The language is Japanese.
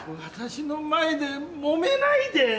私の前でもめないで！